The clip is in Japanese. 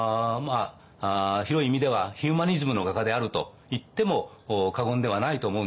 広い意味ではヒューマニズムの画家であるといっても過言ではないと思うんです。